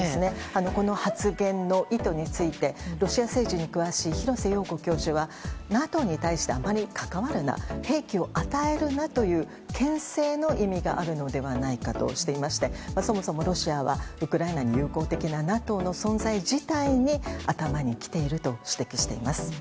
この発言の意図についてロシア政治に詳しい廣瀬陽子教授はＮＡＴＯに対してあまり関わるな兵器を与えるなという牽制の意味があるのではないかとしていましてそもそもロシアはウクライナに友好的なＮＡＴＯの存在自体に頭にきていると指摘しています。